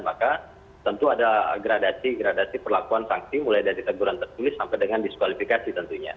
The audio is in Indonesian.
maka tentu ada gradasi gradasi perlakuan sanksi mulai dari teguran tertulis sampai dengan diskualifikasi tentunya